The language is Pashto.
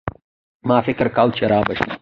ما فکر کاوه چي رابه شي.